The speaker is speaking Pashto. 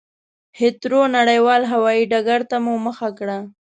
هېترو نړېوال هوایي ډګرته مو مخه کړه.